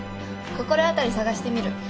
心当たり探してみる。